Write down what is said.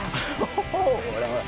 ほらほら。